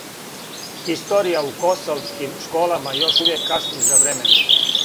Хисторија у косовским школама још увијек касни за временом